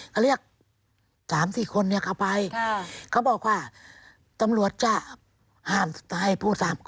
เขาเรียกสามสี่คนเนี้ยเขาไปค่ะเขาบอกว่าตำรวจจะห้ามให้ผู้สาม